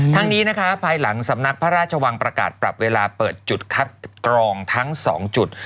ทั้งนี้นะคะภายหลังสำนักพระราชวังประกาศปรับเวลาเปิดจุดคัดกรองทั้ง๒จุด